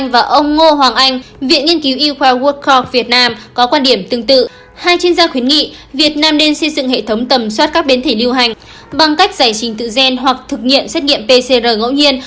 bằng cách giải trình tự gen hoặc thực hiện xét nghiệm pcr ngẫu nhiên